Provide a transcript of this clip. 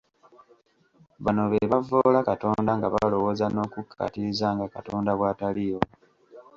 Bano be bavvoola Katonda nga balowooza n'okukkaatiriza nga Katonda bw'ataliiwo.